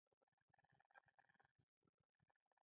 • ژړا د سختو حالاتو انعکاس دی.